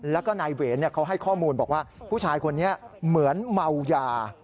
แล้วก็นายเวรเขาให้ข้อมูลบอกว่าผู้ชายคนนี้เหมือนเมายา